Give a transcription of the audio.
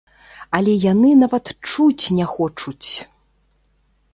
Але яны нават чуць не хочуць!